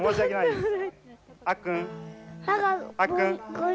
あっくん。